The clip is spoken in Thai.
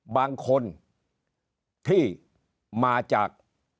บางคนที่มาจาก